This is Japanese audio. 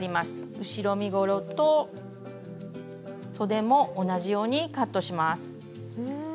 後ろ身ごろとそでも同じようにカットします。